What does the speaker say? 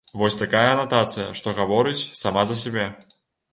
Вось такая анатацыя, што гаворыць сама за сябе.